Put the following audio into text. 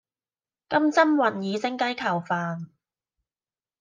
金針雲耳蒸雞球飯